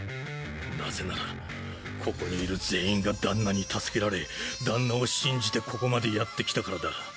なぜならここにいる全員が旦那に助けられ旦那を信じてここまでやってきたからだ。